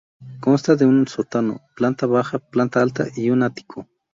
Consta de un sótano, planta baja, planta alta y un ático.